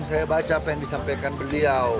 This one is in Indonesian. saya baca apa yang disampaikan beliau